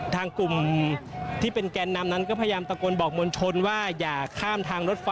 ทางกลุ่มที่เป็นแกนนำนั้นก็พยายามตะโกนบอกมวลชนว่าอย่าข้ามทางรถไฟ